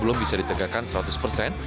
belum bisa ditegakkan seratus persen